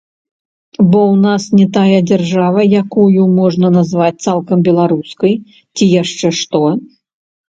Бо ў нас не тая дзяржава, якую можна назваць цалкам беларускай, ці яшчэ што?